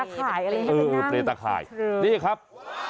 เหมือนตะขายอะไรอย่างนั้น